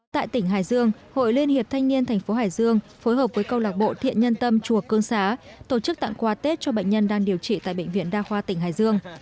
tại tỉnh hải dương hội liên hiệp thanh niên thành phố hải dương phối hợp với câu lạc bộ thiện nhân tâm chùa cương xá tổ chức tặng quà tết cho bệnh nhân đang điều trị tại bệnh viện đa khoa tỉnh hải dương